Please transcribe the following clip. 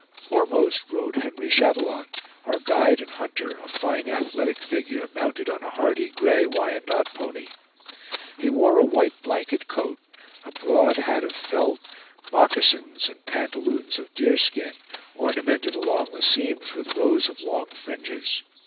Foremost rode Henry Chatillon, our guide and hunter, a fine athletic figure, mounted on a hardy gray Wyandotte pony. He wore a white blanket coat, a broad hat of felt, moccasins, and pantaloons of deerskin, ornamented along the seams with rows of long fringes.